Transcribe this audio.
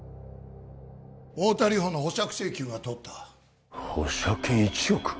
・太田梨歩の保釈請求が通った保釈金１億！